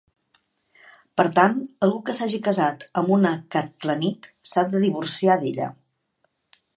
Per tant, algú que s'hagi casat amb una "katlanit" s'ha de divorciar d'ella.